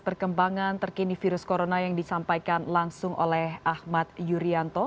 perkembangan terkini virus corona yang disampaikan langsung oleh ahmad yuryanto